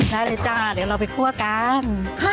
ได้เลยจ้าเดี๋ยวเราไปคั่วกัน